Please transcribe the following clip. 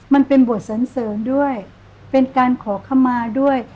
มันเป็นบทสันเสริญด้วยเป็นการขอขมาด้วย